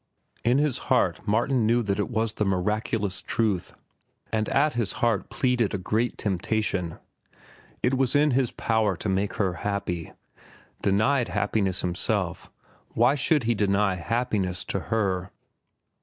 In his heart Martin knew that it was the miraculous truth. And at his heart pleaded a great temptation. It was in his power to make her happy. Denied happiness himself, why should he deny happiness to her?